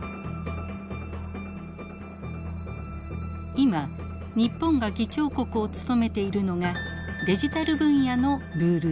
今日本が議長国を務めているのがデジタル分野のルール作り。